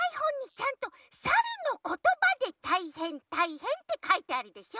ちゃんと「サルのことばでたいへんたいへん！」ってかいてあるでしょ？